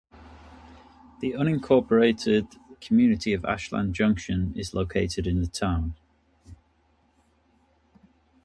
The unincorporated community of Ashland Junction is located in the town.